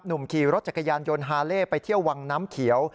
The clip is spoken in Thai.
หนุ่มขี่รถจักรยานยนต์ฮาเล่ไปเที่ยววังน้ำเขียว